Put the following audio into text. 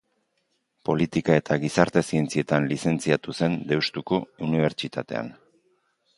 Politika eta Gizarte Zientzietan lizentziatu zen Deustuko Unibertsitatean.